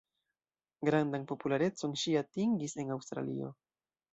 Grandan popularecon ŝi atingis en Aŭstralio.